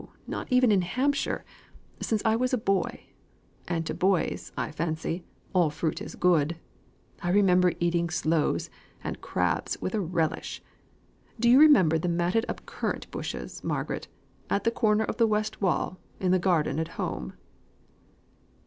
not even in Hampshire since I was a boy; and, to boys, I fancy, all fruit is good. I remember eating sloes and crabs with a relish. Do you remember the matted up currant bushes, Margaret, at the corner of the west wall at the garden at home?"